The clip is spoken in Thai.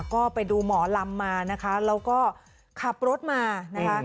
ก็ไปดูหมอลำมานะคะแล้วก็ขับรถมานะคะ